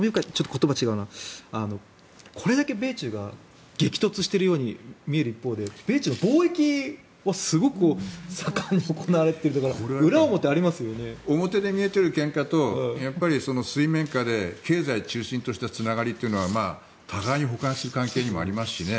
これだけ米中が激突しているように見える一方で米中の貿易はすごく盛んに行われていて表で見えてるけんかと水面下で経済を中心としたつながりというのは互いに補完する関係もありますからね。